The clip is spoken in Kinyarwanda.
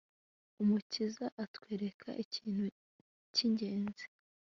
Umukiza atwereka ikintu cyingenzi